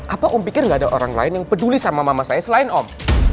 apa om pikir nggak ada orang lain yang peduli sama mama saya selain om